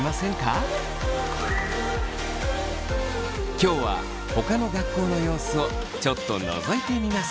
今日はほかの学校の様子をちょっとのぞいてみます。